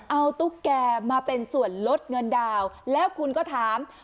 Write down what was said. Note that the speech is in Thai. เอาตุ๊กแก่มาเป็นส่วนลดเงินดาวน์แล้วคุณก็ถาม